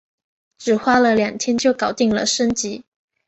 只花了两天就搞定了升级